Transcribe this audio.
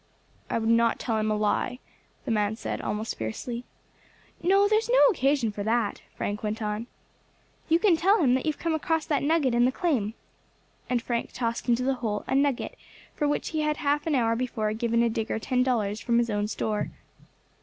"I would not tell him a lie," the man said, almost fiercely. "No, there's no occasion for that," Frank went on. "You can tell him that you have come across that nugget in the claim," and Frank tossed into the hole a nugget for which he had half an hour before given a digger ten dollars from his own store.